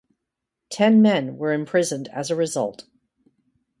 Ten men were imprisoned as a result.